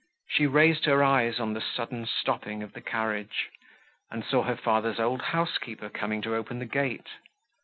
She raised her eyes on the sudden stopping of the carriage, and saw her father's old housekeeper coming to open the gate.